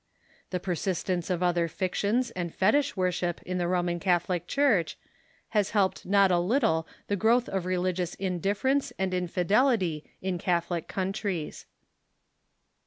The persist ence of other fictions and fetich worship in the Roman Cath olic Church has helped not a little the growth of religious in difference and infidelity in Catholic countries.